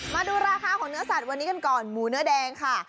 มาดูราคาของเนื้อสัตว์วันนี้กันก่อนหมูเนื้อแดงค่ะ